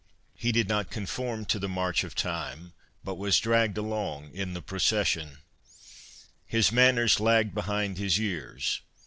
He did not con form to the march of time, but was dragged along in the procession. His manners lagged behind his years.